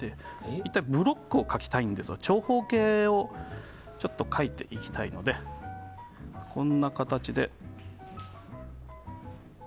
いったんブロックを描きたいんですが長方形を描いていきたいのでこんな形で。